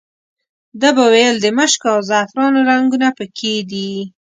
ده به ویل د مشکو او زعفرانو رنګونه په کې دي.